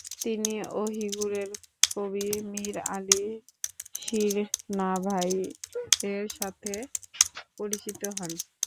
তিনি অহিগুরের কবি মীর আলি শির নাভাই এর সাথে পরিচিত হন।